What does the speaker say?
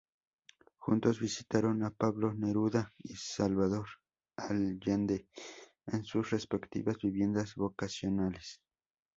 Juntos visitaron a Pablo Neruda y Salvador Allende en sus respectivas viviendas vacacionales.